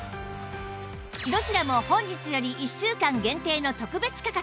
どちらも本日より１週間限定の特別価格